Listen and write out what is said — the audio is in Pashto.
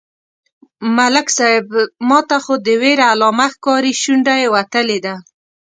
_ملک صيب! ماته خو د وېرې علامه ښکاري، شونډه يې وتلې ده.